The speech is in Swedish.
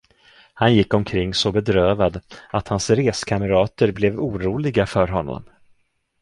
Han gick omkring så bedrövad, att hans reskamrater blev oroliga för honom.